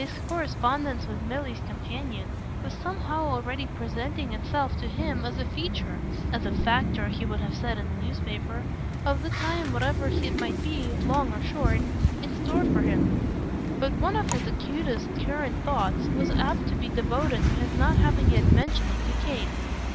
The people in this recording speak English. His correspondence with Milly's companion was somehow already presenting itself to him as a feature as a factor, he would have said in his newspaper of the time whatever it might be, long or short, in store for him; but one of his acutest current thoughts was apt to be devoted to his not having yet mentioned it to Kate.